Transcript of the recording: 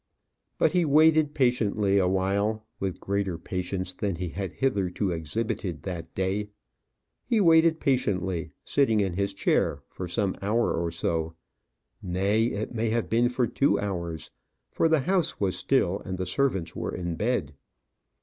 But he waited patiently awhile with greater patience than he had hitherto exhibited that day. He waited patiently, sitting in his chair for some hour or so; nay, it may have been for two hours, for the house was still, and the servants were in bed.